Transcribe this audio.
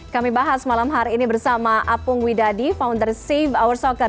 kami bahas malam hari ini bersama apung widadi founder save our soccer